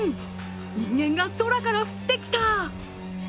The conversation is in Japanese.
人間が空から降ってきた！